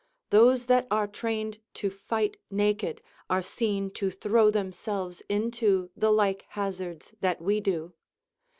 Those that are trained to fight naked are seen to throw themselves into the like hazards that we do.